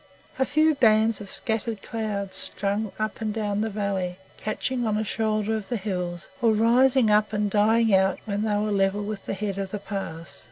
A few bands of scattered clouds strung up and down the valley, catching on a shoulder of the hills, or rising up and dying out when they were level with the head of the pass.